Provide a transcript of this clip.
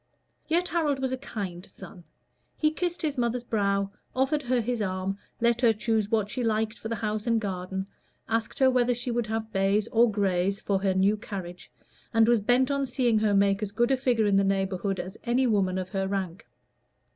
Yet Harold was a kind son: he kissed his mother's brow, offered her his arm, let her choose what she liked for the house and garden, asked her whether she would have bays or grays for her new carriage, and was bent on seeing her make as good a figure in the neighborhood as any other woman of her rank.